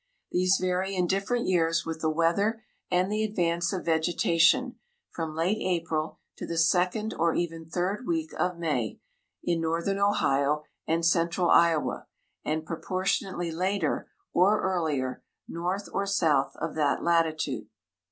These vary in different years with the weather and the advance of vegetation, from late April to the second or even third week of May, in northern Ohio and central Iowa, and proportionately later or earlier north or south of that latitude.